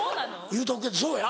言うとくけどそうや。